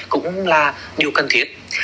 cũng là nhiều cần thiết